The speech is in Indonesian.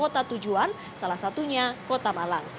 kota tujuan salah satunya kota malang